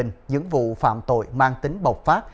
dân vụ phạm tội mang tính bộc phát